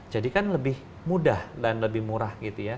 jadi kan lebih mudah dan lebih murah gitu ya